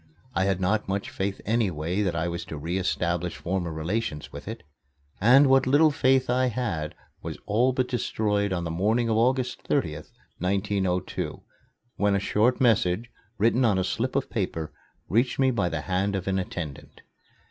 I had not much faith anyway that I was to re establish former relations with it, and what little faith I had was all but destroyed on the morning of August 30th, 1902, when a short message, written on a slip of paper, reached me by the hand of an attendant.